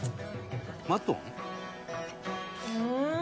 「マトン？」